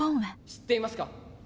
知っていますか。